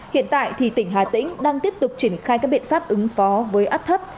hiện tại thì tỉnh hà tĩnh đang tiếp tục triển khai các biện pháp ứng phó với áp thấp